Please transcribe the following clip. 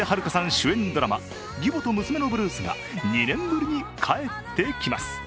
主演ドラマ「義母と娘のブルース」が２年ぶりに帰ってきます。